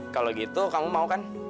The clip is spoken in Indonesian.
kalau gitu kamu mau kan